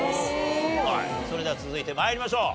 それでは続いて参りましょう。